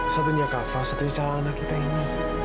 satunya kava satunya calon anak kita ini